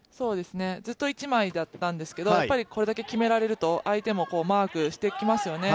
ずっと一枚だったんですけど、これだけ決められると相手もマークしてきますよね。